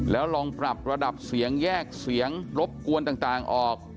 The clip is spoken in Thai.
แล้วลองปรับระดับเสียงแยกเสียงรบกวนต่างออก